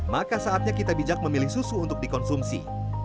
maka saatnya kita bijak memilih susu untuk dikonsumsi